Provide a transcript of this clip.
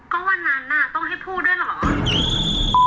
ก็วันนั้นน่ะต้องให้พูดด้วยเหรอ